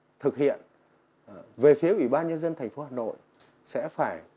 dưới đó thì thủ tướng có giao cho các đơn vị thực hiện về phía ủy ban nhân dân thành phố hà nội sẽ phải bàn bạc